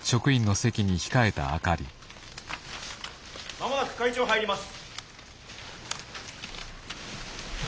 間もなく会長入ります。